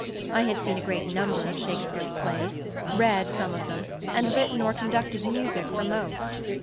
I had seen a great number of Shakespeare's plays, read some of them, and written or conducted music for most.